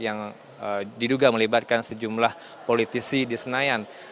yang diduga melibatkan sejumlah politisi di senayan